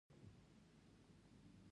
د مڼو د ونو د سپینې ناروغۍ درمل څه دي؟